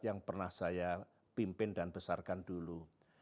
yang pernah saya pimpin dan besarkan dulu